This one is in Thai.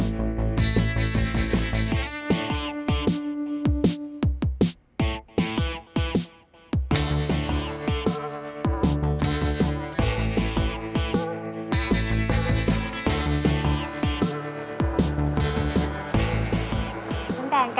ก็คือสิลิแกก๊อตโรงออฟฟิศข้านะ